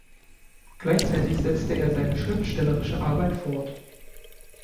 Gleichzeitig setzte er seine schriftstellerische Arbeit fort.